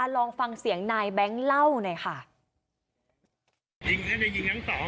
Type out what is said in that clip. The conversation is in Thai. ลองฟังเสียงนายแบงค์เล่าหน่อยค่ะ